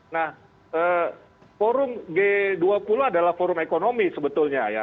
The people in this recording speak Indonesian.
nah forum g dua puluh adalah forum ekonomi sebetulnya ya